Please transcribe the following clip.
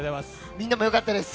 みんなもよかったです。